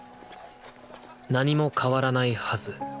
何も変わらないはず。